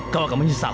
kau akan menyesal